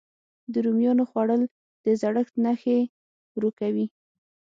د رومیانو خووړل د زړښت نښې ورو کوي.